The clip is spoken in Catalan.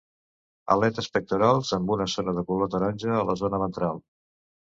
Aletes pectorals amb una zona de color taronja a la zona ventral.